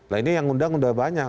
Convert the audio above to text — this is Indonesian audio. lah ini yang undang udah banyak